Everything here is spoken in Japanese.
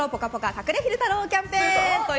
隠れ昼太郎キャンペーン。